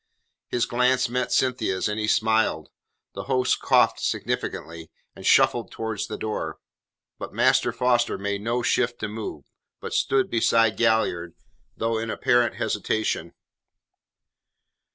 His glance met Cynthia's and he smiled. The host coughed significantly, and shuffled towards the door. But Master Foster made no shift to move; but stood instead beside Galliard, though in apparent hesitation.